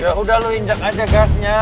ya udah lu injak aja gasnya